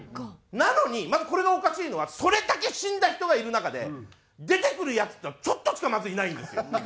なのにまずこれがおかしいのはそれだけ死んだ人がいる中で出てくるヤツっていうのがちょっとしかまずいないんですよ。